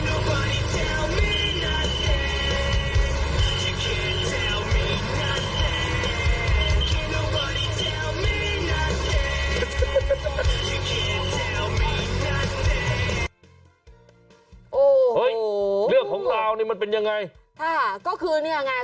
โอ้โหเรื่องของเราเนี่ยมันเป็นยังไง